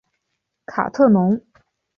卡特农。